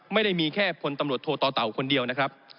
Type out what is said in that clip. ไม่ได้มีแค่พลตำรวจโทต่อเต่าคนเดียวนะครับ